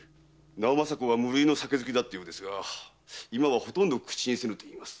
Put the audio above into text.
直正公は無類の酒好きだったようですが今はほとんど口にせぬと言います。